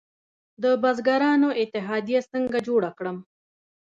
د بزګرانو اتحادیه څنګه جوړه کړم؟